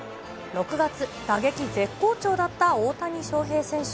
６月、打撃絶好調だった大谷翔平選手。